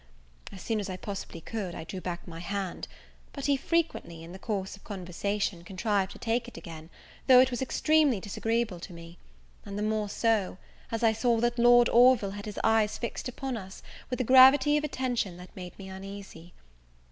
As soon as I possibly could, I drew back my hand; but he frequently, in the course of conversation, contrived to take it again, though it was extremely disagreeable to me; and the more so, as I saw that Lord Orville had his eyes fixed upon us, with a gravity of attention that made me uneasy.